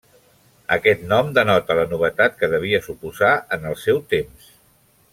Aquest nom denota la novetat que devia suposar en el seu temps.